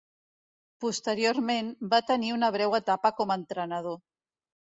Posteriorment, va tenir una breu etapa com a entrenador.